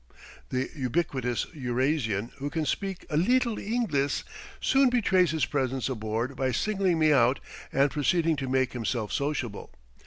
The ubiquitous Urasian who can speak "a leetle Inglis" soon betrays his presence aboard by singling me out and proceeding to make himself sociable.